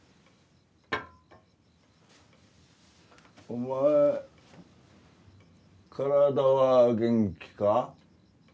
お前身体は元気か。